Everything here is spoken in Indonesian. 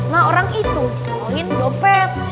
nah orang itu main dompet